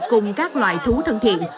cùng các loài thú thân thiện